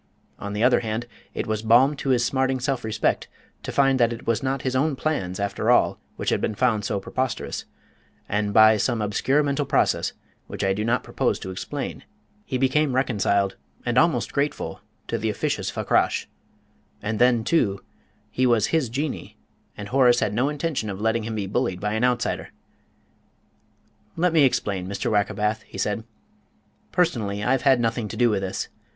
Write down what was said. On the other hand, it was balm to his smarting self respect to find that it was not his own plans, after all, which had been found so preposterous; and, by some obscure mental process, which I do not propose to explain, he became reconciled, and almost grateful, to the officious Fakrash. And then, too, he was his Jinnee, and Horace had no intention of letting him be bullied by an outsider. "Let me explain, Mr. Wackerbath," he said. "Personally I've had nothing to do with this.